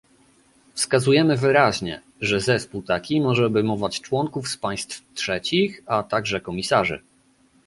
Wskazujemy wyraźnie, że zespół taki może obejmować członków z państw trzecich, a także komisarzy